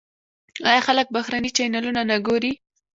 آیا خلک بهرني چینلونه نه ګوري؟